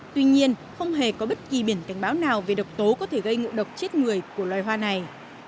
tuy nhiên không hề có bất kỳ biển cảnh báo nào về độc tố có thể gây ngộ độc chết người của loài hoa này